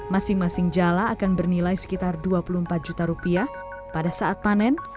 masing masing jala akan bernilai sekitar dua puluh empat juta rupiah pada saat panen